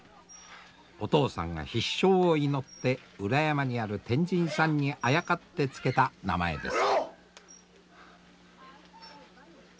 お父さんが必勝を祈って裏山にある天神さんにあやかって付けた名前です。